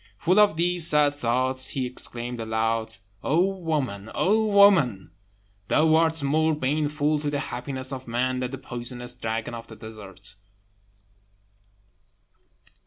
Full of these sad thoughts, he exclaimed aloud, "O woman, woman! thou art more baneful to the happiness of man than the poisonous dragon of the desert!"